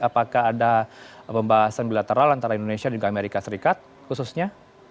apakah ada pembahasan bilateral antara indonesia dan amerika serikat khususnya